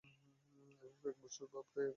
এভাবে এক বৎসর বা প্রায় এক বৎসর কেটে গেল।